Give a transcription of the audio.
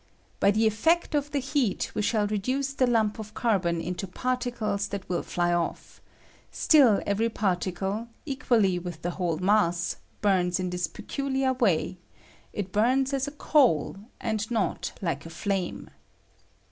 By the effect of the heat we shall re duce the lump of carbon into particles that will fly off; still every particle, equally with the whole mass, burns in this peculiar way — it bums as a coal and not hke a flame.